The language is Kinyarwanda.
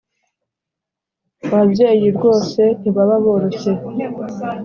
ababyeyi rwose ntibaba boroshye